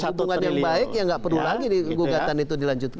sudah ada hubungan yang baik ya nggak perlu lagi nih gugatan itu dilanjutkan